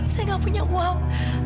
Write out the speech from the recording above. saya tidak punya uang